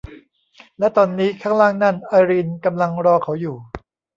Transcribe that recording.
และตอนนี้ ข้างล่างนั่น ไอรีนกำลังรอเขาอยู่